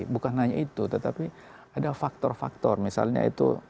bukan hanya itu tetapi ada faktor faktor misalnya itu